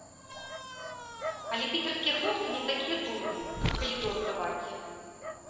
Але піцерскія хлопцы не такія дурні, каб калідор даваць.